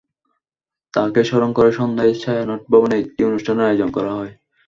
তাঁকে স্মরণ করে সন্ধ্যায় ছায়ানট ভবনে একটি অনুষ্ঠানের আয়োজন করা হয়।